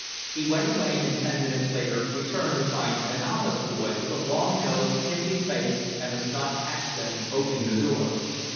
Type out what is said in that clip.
He went away and ten minutes later returned to find an office boy, with a long nose, pimply face, and a Scotch accent, opening the door.